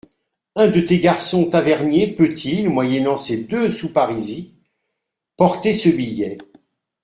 Un de tes garçons taverniers peut-il, moyennant ces deux sous parisis, porter ce billet ?